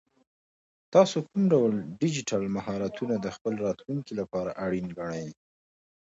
تاسو کوم ډول ډیجیټل مهارتونه د خپل راتلونکي لپاره اړین ګڼئ؟